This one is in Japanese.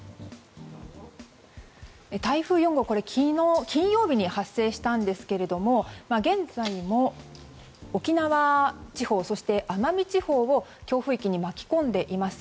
台風４号金曜日に発生したんですけれども現在も沖縄地方、奄美地方を強風域に巻き込んでいます。